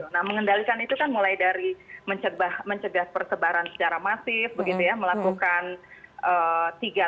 nah mengendalikan itu kan mulai dari mencegah persebaran secara masif melakukan tiga t ya